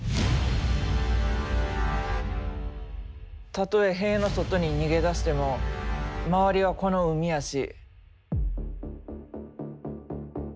たとえ塀の外に逃げ出しても周りはこの海やし。